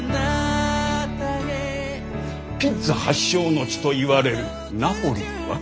ピッツァ発祥の地といわれるナポリは？